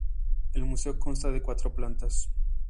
El museo consta de cuatro plantas.